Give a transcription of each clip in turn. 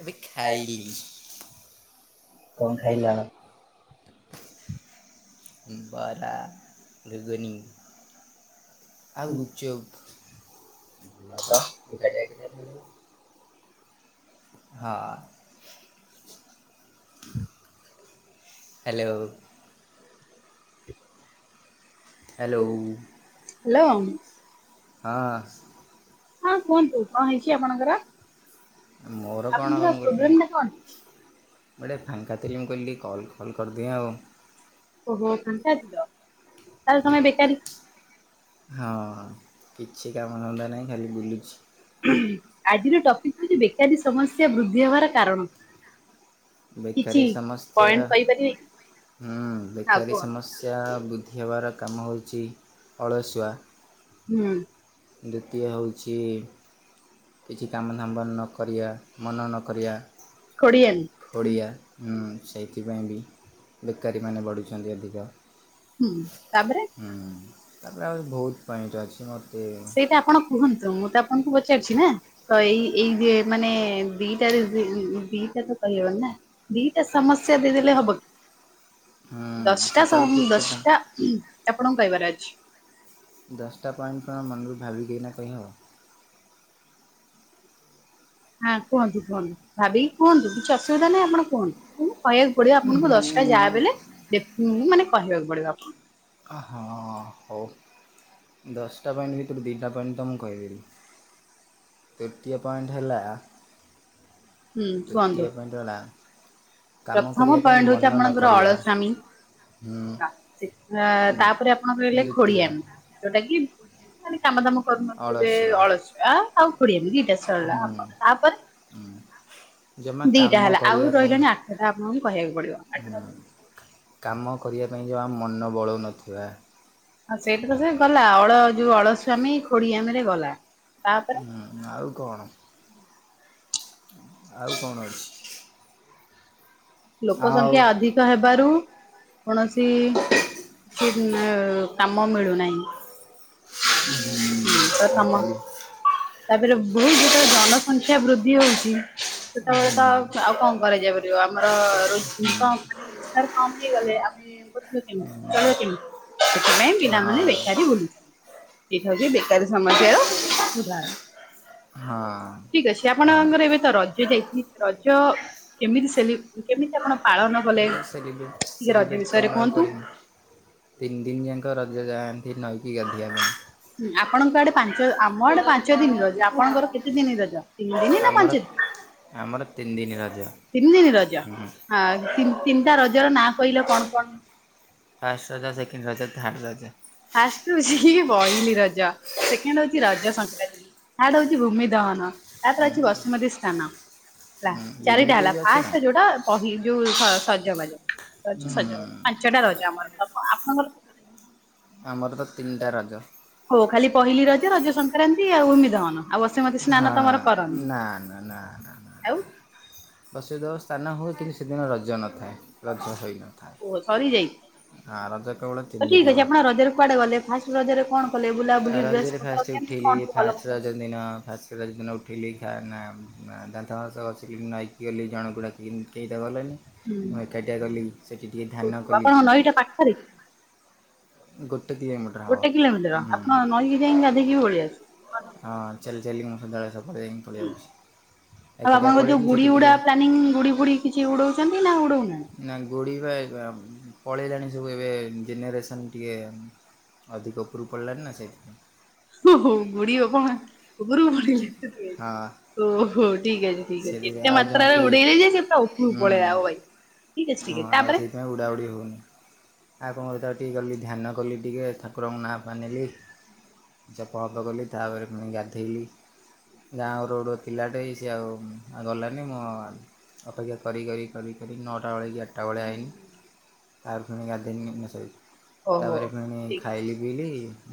ଏବେ ଖାଇଲି। କଣ ଖାଇଲ? ବରା ଗୁଗୁନି। ଆଉ ଗୁପ୍ ଚୁପ ହଁ। ହ୍ୟାଲୋ। ହ୍ୟାଲୋଉ ହଁ। ହଁ କୁହନ୍ତୁ କଣ ହେଇଚି ଆପଣଙ୍କର? ମୋର କଣ ହବ? ମୋର [inaudible] ମୁଁ ଟିକେ ଫାଙ୍କା ଥିଲି ମୁଁ କହିଲି ଟିକେ କଲ୍ ଫଲ୍ କରିଦିଏ ଆଉ। ଓହୋ ଫାଙ୍କା ଥିଲ? ହଁ କିଛି କାମ ଧନ୍ଦା ନାହିଁ ଖାଲି ବୁଲୁଚି। ଆଜିର ଟପିକ୍ ହଉଚି ବେକାରି ସମସ୍ୟା ବୃଦ୍ଧି ହେବାର କାରଣ? ବେକାରି ସମସ୍ୟାର ହୁଁ ବେକାରୀ ସମସ୍ୟା ବୁ ଦ୍ଧି ହେବାର କାମ ହେଉଚି ଅଳସୁଆ ଦ୍ଵିତୀୟ ହେଉଚି କିଛି କାମ ଧାମ୍ବ ନ କରିଆ ମନ ନକରିଆ ଖୋଡ଼ିଆ ହୁଁ ସେଇଥିପାଇଁ ବି ବେକାରୀମାନେ ବଢ଼ୁଚନ୍ତି ଅଧିକ। ହୁଁ। ତାପରେ? ହୁଁ ତାପରେ ଆହୁରି ବହୁତ ପଏଣ୍ଟ ଅଛି। ମୋତେ ଏଇଟା ଆପଣ କୁହନ୍ତୁ ମୁଁ ତ ଆପଣଙ୍କୁ ପଚାରିଚି ନା। ତ ଏଇ ଏଇ ଯେ ମାନେ ଦିଟା ରିଜ ଦିଟା ତ କହହବନି ନା ଦିଟା ସମସ୍ୟା ଦେଇଦେଲେ ହବ କି? ଦଶଟା ସମ ଦଶଟା ଆପଣଙ୍କୁ କହିବାର ଅଛି। ଦଶଟା ପଏଣ୍ଟ କଣ ମନରୁ ଭାବିକି ଏନା କହିହେବ? ହଁ କୁହନ୍ତୁ କୁହନ୍ତୁ ଭାବିକି କୁହନ୍ତୁ କିଛି ଅସୁବିଧା ନାହିଁ ଆପଣ କୁହନ୍ତୁ। କହିବାକୁ ପଡିବ ଆପଣଙ୍କୁ ଦଶଟା ଯାହାବି ହେଲେ ଦେଫ-ମାନେ କହିବାକୁ ପଡିବ ଆପଣଙ୍କୁ। ଆ ହଁ ହଉ। ଦଶଟା ପଏଣ୍ଟ ଭିତରୁ ଦୁଇଟା ପଏଣ୍ଟ ତ ମୁଁ କହିଦେଲି। ତୃତୀୟ ପଏଣ୍ଟ ହେଲା ତୃତୀୟ ପଏଣ୍ଟ ହେଲା ପ୍ରଥମ ପଏଣ୍ଟ ହଉଚି ଆପଣଙ୍କର ଅଳସୁଆମୀ। ଅ ତାପରେ ଆପଣ କହିଲେ ଖୋଡିଆମି ଯୋଉଟା କି ମାନେ କାମ ଦାମ କରୁନଥ ଅଳସୁଆ ଆଉ ଖୋଡ଼ିଆମି ଦିଟା ସରିଲା। ତାପରେ? ଜମା କାମ କରିବା ପାଇଁ ସେଇଟା ଆପଣଙ୍କୁ କହିବାକୁ ପଡିବ। କାମ କରିବା ପାଇଁ ଜମା ମନ ବଳାଉନଥିବା। ହଁ ସେଇଟା ତ ସେ ଗଲା ଅଳ ଯୋଉ ଅଳସୁଆମୀ ଖୋଡିଆମି ରେ ଗଲା ତାପରେ? ହଁଁ ଆଉ କଣ? ଆଉ କଣ ଅଛି? ଲୋକ ସଂଖ୍ୟା ଅଧିକ ହେବାରୁ କୌଣସି କି ନା କାମ ମିଳୁନାହିଁ। [unintelligible] ତାପରେ ବହୁତ ଯେତେବେଳେ ଜନସଂଖ୍ୟା ବୃଦ୍ଧି ହଉଚି ସେତେବେଳେ ତ ଆଉ କଣ କରାଯାଇ ପାରିବ। ଆମ [unintelligible] ମାନେ ରୋଜଗାର କମ ହେଇଗଲେ ଆମେ [unintelligible] ଚଳିବା କେମିତି ସେଥିପାଇଁ ପିଲାମାନେ ବେକାରି ଏଇଟା ହଉଚି ବେକାରୀ ସମସ୍ୟାର ଉଦାହରଣ। ହଁ। ଠିକ ଅଛି ଆପଣଙ୍କର ଏବେ ତ ରଜ ଯାଇଚି ରଜ କେମିତି ସେଲି କେମିତି ଆପଣ ପାଳନ କଲେ? [inaudible] ତିନିଦିନ ଯାକ ରଜ ଯାଆନ୍ତି ନଈ କି ଗାଧେଇବା ପାଇଁ। ହୁଁ ଆପଣଙ୍କ ଆଡେ ପାଞ୍ଚ ଆମ ଆଡେ ପାଞ୍ଚ ଦିନ ରଜ। ଆପଣଙ୍କର କେତେ ଦିନ ରଜ ତିନି ଦିନ ନା ପାଞ୍ଚ ଦିନ? ଆମର ତିନି ଦିନ ରଜ ହଁ। ହଁ ତିନିଟା ରଜ ର ନାଁ କହିଲେ କଣ କଣ? First Raja second Raja third Raja. First ହଉଛି ପହିଲି ରଜ ସେକେଣ୍ଡ ହଉଛି ରଜ ସଂକ୍ରାନ୍ତି ଥାର୍ଡ ହଉଛି ଭୂମି ଦହନ। ତ ପରେ ହଉଚି ବାସୁମତୀ ସ୍ଥାନ। ହେଲା ଚାରିଟା ହେଲା ଫାଷ୍ଟ ଯୋଉଟା ପ ଯୋଉ ସଜବାଜ ଅ ସଜବା ପାଞ୍ଚଟା ରହୁଛି ଆମର ଆପଣଙ୍କର? ଆମର ତ ତିନିଟା ରଜ। ହଁ ନା ନା ନା ଆଉ ପ୍ରସିଧ ସ୍ଥାନ ହୁଏ କିନ୍ତୁ ସେଦିନ ରଜ ନଥାଏ। ରଜ ହୋଇନଥାଏ। ଆରାଧ୍ୟ କେବଳ ହ ଠିକ ଅଛି ଆପଣ ରଜରେ କୁଆଡେ ଗଲେ ଫାଷ୍ଟ ରଜରେ କଣ କଲେ ବୁଲାବୁଲି ଫାଷ୍ଟ ଉଠିିଲି ଫାଷ୍ଟ ରଜ। ସେଦିନ ଫାଷ୍ଟ ଦିନ ଉଠିଲି ଦାନ୍ତ ଫାସ ଗସିଲି ନଈକ ଗଲି ଜଣଗୁଡ଼ାକ କେହିଟା ଗଲେଣିି ମୁଁ ଏକାଠିଆ ଗଲି ସେଠି ଟିକେଏ ଧାନ ନଈଟା ପାଠରେ ଗୋଟ କିଲୋମିଟର। ଗୋଟେ କିଲୋମିଟର ଆପଣ ନଈକିରି ଯାଇ ଗାଧୋଇକି ପଳେଇଆସେ ହଁ ଚାଲି ଚାଲି ମୁଁସଦାବେଳେ ସହୁଲମମ୍ବେଲେ ଯାଇଁ ପଳେଇ ପକେଇକି ଆଉ ଆପଣଙ୍କ ଯୋଉ ଗୁଡି ଉୁଡା ପ୍ଲାନିଂ ଗୁଡି ଫୁଡି କିଛି ଉଡଉଛନ୍ତି ନା ଉଡଉନାହିଁ। ନା ଗୋଡ଼ିବା ପଳେଇଲାଣି ସବୁ ଏବେ ଜେନେରେସନ୍ ଟିକେ ଅଧିକ ଉପରୁ ପଡ଼ିଲଣି ନା ସେଇଥି ହଁ [unintelligible] ସେଥିରେ ଆଉ ଜମା ଖ ହୁଁ ହଁ ଆଉ ସେ [unintelligible] ଆଉ ଉଡ଼ାଉଡ଼ି ହେଉନି। ଆଉ କଣ କଥାକୁ ଟିକେଏ କଲି ଧ୍ୟାନ କଲି ଟିକେ ଠାକୁରଙ୍କ ନାଁ ପାନିଲି। ଚପ ହପ କଲି ତାପରେ ପୁଣି ଗାଧୋଇଲି ଗାଁ ରୋଡ଼ ଥିଲାଟେ ସେ ଆଉ ଗଲାନି ମୁଁ ଆ କରିି କରିି କରିି କରି ନଟ ଆଟା ବେଳେକି ଆଠଟା ବେଳେ ଆଇନି ତାର ଫୁଣି ଗାଧୋଇନି ମିଶାଇଛ ତାପରେ ଫୁଣି ଖାଇଲି। ପିଲି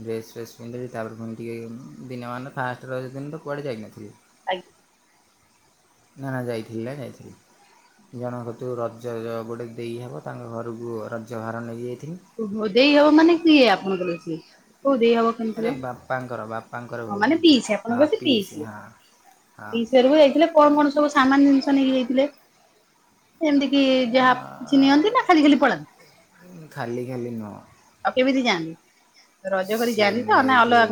ଡ୍ରେସ୍ ଫ୍ରେସ୍ ପିନ୍ଧିଲେି ତାପରେ ପୁଣି ଟିକେ ଦିନମାନର ଫାଷ୍ଟ ରଜ ଦିନ ତ କୁଆଡ଼େ ଯାଇିନଥିଲି। ଆଜ ନା ନା ଯାଇଥିଲି ନା ଯାଇଥିଲି। ଜଣକ ତୁ ରଜ ଗୋଟେ ଦେଇହେବ ତାଙ୍କ ଘରକୁ ରଜ ଭାର ନେଇକି ଯାଇଥିଲି। ଓ ଦେଇ ହବ ମାନେ କିଏ ଆପଣଙ୍କର ସେ ଆରେ ବାପାଙ୍କର ବାପାଙ୍କର ଭଉଣୀ ହ ପିଇସୀ। ହଁ ଯାଇଥିଲେ କଣ କଣ ସବୁ ସମାନ ଜିନିଷ ନେଇକି ଯାଇଥିଲେ। ଏମିତି କି ଯାହା କିଛି ନିଅନ୍ତି ନା ଖାଲି ଖାଲି ପଳାନ୍ତି। ଖାଲି ଖାଲି ନୁହ। ଚେନ୍ନାଇରେ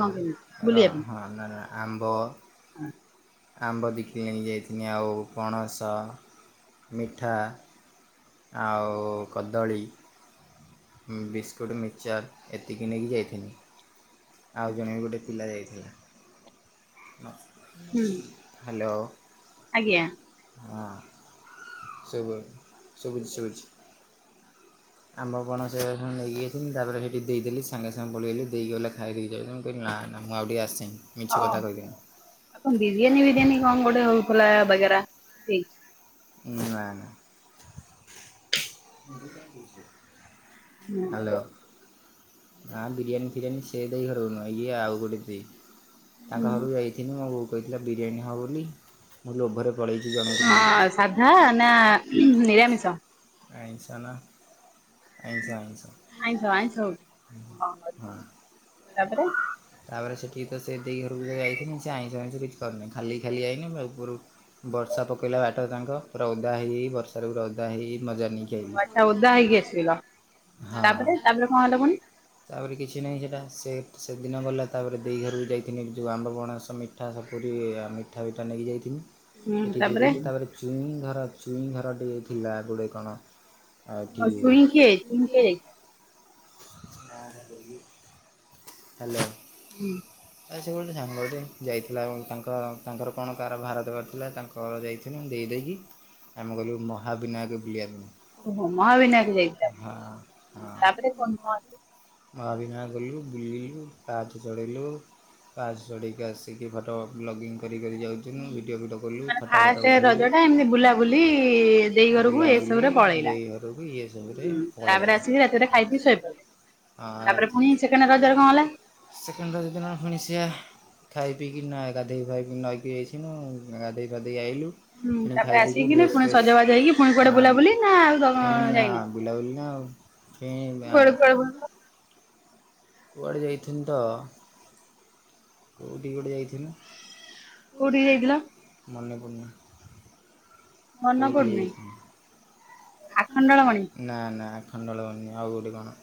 ରହ। ନାଇ ନାଇ ଆମ୍ବ ଆମ୍ବ ବିକିଣି ନେଇ ଯାଇଥିନି ଆଉ ପଣସ ମିଠା ଆଉ କଦଳୀ ମୁଁ ବିସ୍କୁଟ୍ ମିକ୍ଚାର୍ ଏତିକି ନେଇକି ଯାଇଥିନି ଆଉ ଜଣେ ବି ଗୋଟେ ପିଲା ଯାଇଥିଲା ହ ହୁଁ ହ୍ୟାଲୋ ଆଜ୍ଞା ହଁ ସବୁ ଶୁବୁଛି ଶୁବୁଛି ଆମ୍ବ ପଣସ ସେ ନେଇକିଯାଇଥିଲ ତାପରେ ସେଠି ଦେଇଦେଲି ସାଙ୍ଗେ ସାଙ୍ଗେ ପଳେଇଲି ଦେଇଗଲେ ଖାଇ ଦେଇ ଯାଉନୁ ମୁଁ କହିଲି ନା ନା ମୁଁ ଆଉ ଟିକି ଆସେଇ ମିଛ କଥା କହିଦେି ଆ କଣ ବିରିୟାନୀ ବିରିୟାନୀ କଣ ଗୋଟେ ହଉଥିଲା ବଗରା ସେଇ ଉ ନା ନା ଭ [unintelligible] ହୁଁ [inaudible] ନା ବିରିୟାନୀ ଫିରିୟାନୀ ସେ ଦେଇ ଘର ନୁହଁଇଏ ଆଉ ଗୋଟେ ଦେଇ ତାଙ୍କ ଘରୁ ଯାଇ ତିନି ମୋ ବୋଉ କହିଥିଲା ବିରିୟାନୀ ହବ ବୋଲି ମୁଁ ଲୋଭରେ ହଁ ସାଧା ନା ନିରାମିଷ ଆମିଷ ନା ଆମିଷ ଆମିଷ ତାପରେ ସେଠିକି ତ ସେ ଦେଇ ଘରକୁ ଯ ଯାଇଥିଲି ସେ ଆଇଁଷ ଆଇଁ କିଛି କରିନି ଖାଲି ଖାଲି ଯାଇନି ବା ଉପରୁ ବର୍ଷା ପକେଇଲା ବାଟରେ ତାଙ୍କପୁରା ଓଦା ହେଇ ହେଇ ବର୍ଷା ରେ ପୁରା ଓଦା ହେଇ ଆଛା ଓଦା ହେଇକି ଆସିଲ ତାପରେ ତାପରେ କଣ ହେଲା ପୁଣି ତାପରେ କିଛି ନାହିଁ ସେଇଟା ସେ ସେଦିନ ଗଲା ତାପରେ ଦେଇ ଘର ବି ଯାଇଥିଲିନି ଯେଉଁ ଆମ୍ବ ପଣସ ମିଠା ମିଠା ସପୁରି ଆ -ମିଠା ଫିଟା ନେଇକି ଯାଇଥିନି ଏଠି ଦୁଇ ଦିନି ତାପରେ ଚୁଇଁ ଘର ଚୁଇଁ ଘରଟି ଥିଲା ଗୁଡ଼େ କଣ ହଉ ଚୁଇ କିଏ ଚୁଇ କିଏ? ଆ ହାଲୋ ହୁଁ [inaudible] ସେ ଗୋଟେ ସାଙ୍ଗଟିେ ଯାଇଥିଲା କଣ ତାଙ୍କ ତାଙ୍କର କଣ କାହାର ଭାର ଦବାର ଥିଲା ତାଙ୍କ ତଳେ ଯାଇଥିନୁ ଦେଇ ଦେଇକି ଆମେ ଗଲୁ ମହାବିନାୟକ ବୁଲିବାକୁ ଓହୋ ମହାବିନାୟକ ଯାଇଥିଲା ତାପରେ କଣ କଣ ମହାବିନାୟକ ଗଲୁ ବୁଲିିଲୁ ପାହଚ ଚ ଡିଲୁ ପାହାଚ ଚଢ଼ିକି ଆସିକି ଫଟୋ ବ୍ଲଗିଙ୍ଗ କରିକରି ଯାଉଛୁ ମାନେ ଫାଷ୍ଟ ରଜ ଟା ଏମିତି ବୁଲାବୁଲି ଦେଇ ଘରକୁ ଏସବୁରେ ପଳେଇଲା ହୁଁ ତାପରେ ଆସିବି ରାତିରେ ଖାଇକି ଶୋଇ ପଡ଼ିଲେ ତାପରେ ପୁଣି ସେକଣ୍ଡ ରଜରେ କଣ ହେଲା ସେକେଣ୍ଡ ରଜଦିନ ଫୁଣି ସେୟା ଖାଇ ପିକି ନ ଗାଧୋଇ ଫାଇକି ନଈକି ଯାଇଥିନୁ ଗାଧୋଇ ଫାଧୋଇ ଆଇଲୁ ପୁଣି ଖାଇ ଦେଇକି ଡ୍ରେସ୍ ଫେସ୍ ଫଣି ହଁ ବୁଲାବୁଲି ନା ଆଉ [inaudible] କେହି ବା [inaudible] କୁଆଡ଼େ ଯାଇଥନ୍ ତ କୋଉଠିକି ଗୋଟେ ଯାଇଥିନୁ କୋଉଠି କି ଯାଇଥିଲା ମନେପଡୁନି କଉଠି ବିିଯାଇ [inaudible] ନା ନା ଆଖଣ୍ଡଳ ମନି ନୁହଁ ଆଉ ଗୋଟେ କଣ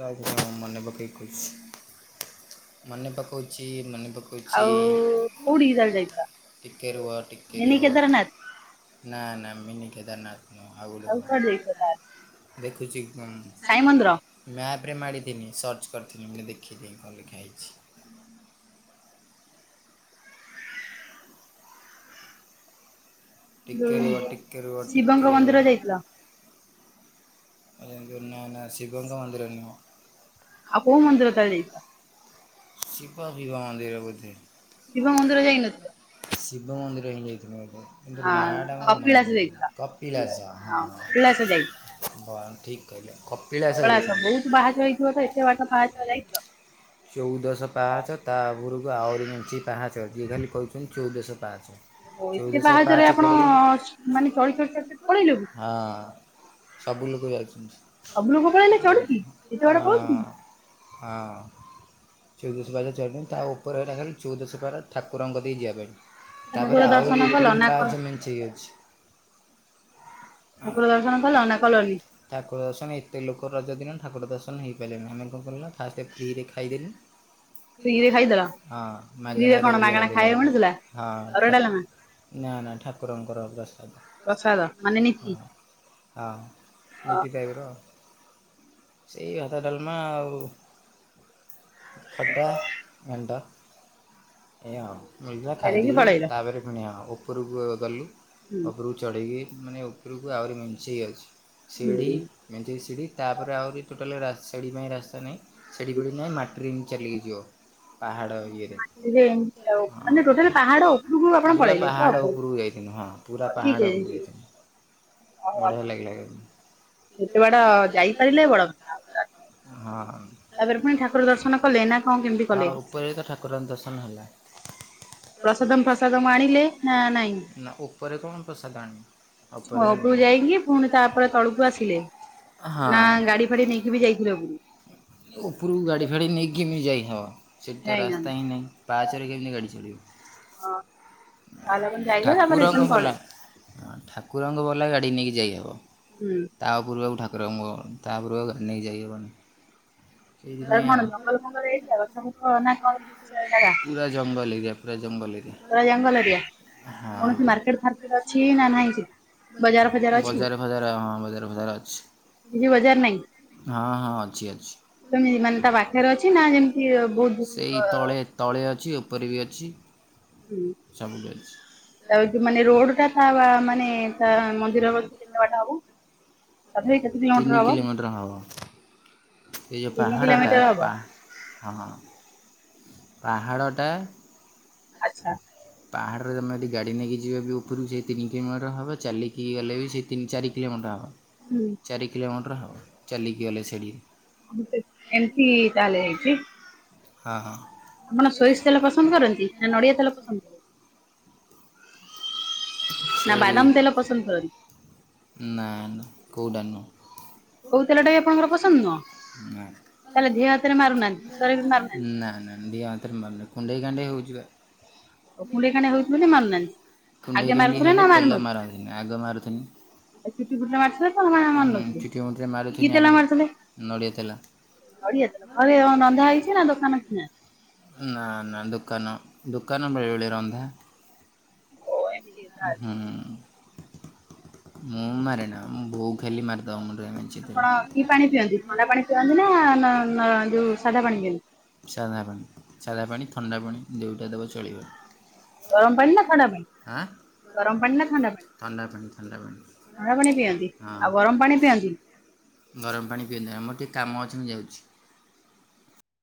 ରହ ମନେ ପକେଇ କହୁଛି ମନେ ପକେଉଛି ମନେ କୁଚି ଟିକେରୁଅ ଟିକେରୁଅ। ନା ନା ମିନି କେଦାରନାଥ ନୁହଁ ଆଉ ଗୋଟେ କଣ ଦେଖୁଛି କ ସାଇମଦିର। ମ୍ୟାପ ରେ ମାଡ଼ିିନି ସର୍ଚ୍ଚ କରିଥିଲି ମୁଁଟିକେ ଦେଖିଦି କଣ ଲେଖା ହେଇଛି। ଟିକେ ରୁହ ଟିକେ ରୁହ ଟିକେ ରୁହ। ଆ ନା ଶିବଙ୍ଗ ମନ୍ଦିରନୁହଁ। ଆଉ କୋଉ ମନ୍ଦିର ତାହାହେଲେ। ଶିବ ଫିବ ମଦିର ବୋଧେ। ଶିବ ମନ୍ଦିର ଯାଇନଥିଲା? ଶିବ ମନ୍ଦିର ହିଁ ଯାଇଥିଲୁ ଗୋଟେ। କିନ୍ତୁ ନାଡ଼ଙ୍ଗର ମନ କପିିଲସ ହଁଁ। ବା ଠିକ୍ କହିଲେ। [unintelligible] ବହୁତ ବାହାଚ ହେଇଥିବ ତ ଏତେ ବାଟ [unintelligible] ଚଉଦଶ ପାହାଚ ତା ଉପରକୁ ଆହୁରି ଅଛି ପାହାଚ ଯିଏ ଖାଲି କହୁଛନ୍ତି ଚଉଦଶ ପାହାଚ। ଓ ଏତେ ପାହାଚରେ ଆପଣ ମାନେ ଚଢ଼ି ଚଢ଼ି ଚଢ଼ି ଚଢ଼ି ପଳେଇେଲେ କି ହଁ। ସବୁ ଲୋକ ଯାଇଛନ୍ତି ହଁ। ହଁ ଚୋଉ ଦଶ କହିଲେ ଚଉଦ। ତା ଉପରେ ହେଟା ଖାଲି ଚଉଦଶ ଫାରା ଠାକୁରଙ୍କ ଦେଇ ଯିବା ପାଇଁ ତାପରେ ଆହୁରି ଉପରକୁ ପହାଚ ମେନ୍ ଠିକ୍ ଅଛି। ଠାକୁର ଦର୍ଶନ କଲ ନା କଲନି। ଠାକୁର ଦର୍ଶନ ଏତେ ଲୋକ ରଜଦିନ ଠାକୁର ଦର୍ଶନ ହେଇପାରିଲାନି ଆମେ କଣ କୁ ନା ଫାଷ୍ଟେ ଫ୍ରିରେ ଖାଇଦେଲୁ। ଇଏ ଖାଇସାର ହଁ ମାଗଣା ରେ ଦିଆ ହଉଥିଲା। ହଁଠାକୁ ନା ନା ଠାକୁରଙ୍କର ର ପ୍ରସାଦ ହଁ ହଁ। ମିଟି, ଖାଇବ ସେଇ ଭାତ ଡାଲମା ଆଉ ଖଟା ଘାଣ୍ଟ ଏୟାଆଉ। ମିଳା ଖାଇଦେଲୁ ତାପରେ କିଣିବା ଉପରକୁ ଗଲୁ ଚଢ଼େଇକି ମାନେ ଉପରକୁ ଆହୁରି ମିଞ୍ଚେଇ ଅଛି। ସିଢ଼ି ମେଞ୍ଚେ ସିଢ଼ି ତାପରେ ଆହୁରି ଟୋଟାଲ ଶିଢ଼ି ପାଇଁ ରାସ୍ତା ନାହିଁ। ସିଢି ପଡି ନାଇ ମାଟିରେ ଚାଲିକିଯିବ ପାହାଡ ଇଏ ମାନେ ଟୋଟାଲ ପାହାଡ ଉପରୁକୁ ଆପଣ ପଳେଇଲେ ହ ହଉ। ପୁରେଇତି ନୁହଁ ପୁରା ପାହାଡ଼କ ଉପରକୁ ଯାଇଥିଲି ବଢିଆ ଲାଗିଲା। ଏତେ ବାଟ ଯାଇ ପାରିଲେ ଆପଣ? ହଁ। ହ ଉପରେ ପୁଣି ଠାକୁର ଦର୍ଶନ କଲେ ନା କଣ କେମିତି କଲେ, ହଁ ଉପରେ ତୋ ଠାକୁର ଦର୍ଶନ ହେଲା। ନା ଉପରେ କଣ ପ୍ରସାଦ ଆଣିବ। ଉପରେ ଆଣି। ହଁ। ଉପରକୁ ଗାଡି ଫାଡି ନେଇକି ନି ଯାଇଥାଅ। ସେଠି ତ ରାସ୍ତା ହିଁ ନାହିଁ ପାହାଚରେ କେମିତି ଗାଡ଼ି ଚଡିବ। ଠାକୁରଙ୍କଲା ଠାକୁରଙ୍କ ବଲା ଗାଡି ନେଇକି ଯାଇହବ। ହୁଁ, ତାଉପରକୁ ଆଉ ଠାରଙ୍କ ତାପୂରୁ ଆଉା ଗାତି ନେଇି ଯାଇହବନି। ତରେ କଣ ଜଙ୍ଗଲ ଫଙ୍ଗଲ ଏଇଥିଲା ଗଛ ବୁଛ ନା କଣ ଜାଗା। ଜଙ୍ଗଲ ଏରିଆ ପୁରା ଜଙ୍ଗଲ ଏରିଆ ପୁରା ଜଙ୍ଗଲ ଏରିଆ କୌଣସି ମାର୍କେଟ ଫାର୍କେଟ ଅଛି ନା ନାହିଁ ସେଠି? ବଜାର ଫଜାର ହଁ ବଜାର ଫଜାର ଅଛି। ହଁ ହଁ ଅଛି ଅଛି। ସେଇ ତଳେ। ତଳେ ଅଛି ଉପରେ ବି ଅଛି ସବୁଠୀ ଅଛି। ତା ମାନେ ରୋଡ ଟା ତା ମାନେ ତା ମନ୍ଦିର କତୁରୁ କେତେ ବାଟା ହବ? ତାପରେ କେତେ କିଲୋମିଟର ହବ? ଏ ଯେଉଁ ପାହାଡ଼ଟା ପାହା ହଁ। ପାହାଡ଼ଟା। ଆଚ୍ଛା। ପାହାଡ଼ରେ ତମେ ଯଦି ଗାଡ଼ି ନେଇକି ଯିବ ବି ଉପରୁକୁ ସେ ତିନି କିଲୋମିଟର ହେବ ଚାଲିକି ଗଲେ ବି ସେ ତିନି ଚାରି କିଲୋମିଟର ହବ। ହୁଁ। ଚାରି କିଲୋମିଟର ହେବ ଚାଲିକି ଗଲେ ସେଇଠି। ଆଉ ଏମିତି ତାହେଲେ ହେଇଚି। ହଁ ହଁ। ଆପଣ ସୋରିଷି ତେଲ ପସନ୍ଦ କରନ୍ତି ନା ନଡ଼ିଆ ତେଲ ପସନ୍ଦ କରନ୍ତି? ନା ବାଦାମ ତେଲ ପସନ୍ଦ କରନ୍ତି? ନା କୋଉଟା ନୁହଁ। କୋଉ ତେଲଟା ବି ଆପଣଙ୍କର ପସନ୍ଦ ନୁହଁ? ନା ନା ନା। ଦିହ ହାତରେ ମାରୁନିକୁଣ୍ଡେଇ କାଣ୍ଡେଇ ହଉଚି ବା। କୁଣ୍ଡେଇ କାଣ୍ଡେଇ ହଉଚି ମାନେ ମାରୁନାହାନ୍ତି? କୁଣ୍ଡେଇ କାଣ୍ଡି ହେଲେ ତେଲ ମାରାହୁଏନି ଆଗ ମାରୁଥିନି। ଆ ଚୁଟି ଫୁଟିର ମାରୁଥୁଲେ ତ ନାଁ ମାରୁ ନ ଥିଲେ କି ତେଲ ମାରୁଥୁ ଲେ? ନଡିଆ ତେଲ ଘରେ ର ରନ୍ଧାହେଇଚି ନା ଦୋକାନ କିଣା? ନା ନା ଦୋକାନ ଦୋକାନ ବେଳେ ବେଳେ ରନ୍ଧା। ହୁଁ। ମୁଁ ମାରେନା ମୋ ବୋଉ ଖାଲି ମାରିଦବ ମୁଣ୍ଡରେ ଆଣି କି। ଆପଣ କି ପାଣି ପିଅନ୍ତି ଥଣ୍ଡା ପାଣି ପିଅନ୍ତି ନା ନା ନା ଯୋଉ ସାଧା ପାଣି ପିଅନ୍ତି? ସାଧା ପାଣି ସାଧା ପାଣି ଥଣ୍ଡା ପାଣି ଯୋଉଟା ଦେବ ଚଳିବ। ଥାଣ୍ଡା ପାଣି ଥାଣ୍ଡା ପାଣି। ଥଣ୍ଡା ପାଣି ପିଅନ୍ତି, ଆଉ ଗରମ ପାଣି ପିଅନ୍ତି? ଗରମ ପାଣି ପିଏନି ଆମର ଟିକେ କାମ ଅଛି ମୁଁ ଯାଉଛି।